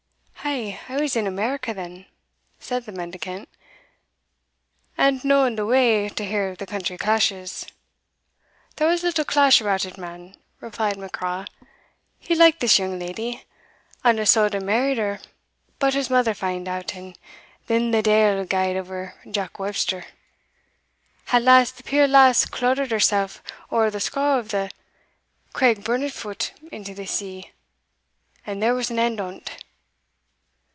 "Ay, I was in America then," said the mendicant, "and no in the way to hear the country clashes." "There was little clash about it, man," replied Macraw; "he liked this young leddy, ana suld hae married her, but his mother fand it out, and then the deil gaed o'er Jock Webster. At last, the peer lass clodded hersell o'er the scaur at the Craigburnfoot into the sea, and there was an end o't."